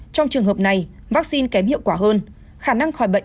trong trường hợp này vaccine kém hiệu quả hơn khả năng khỏi bệnh